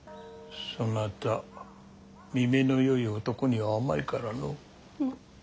そなた見目のよい男には甘いからのう。